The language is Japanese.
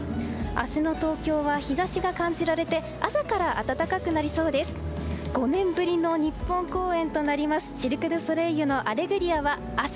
明日の東京は日差しが感じられて朝から暖かくなりそうです。